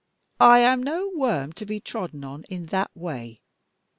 I am no worm to be trodden on, in that way.